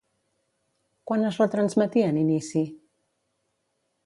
Quan es retransmetia en inici?